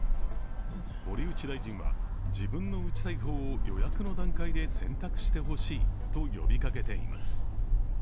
堀内大臣は自分の打ちたい方を予約の段階で選択してほしいと呼びかけています。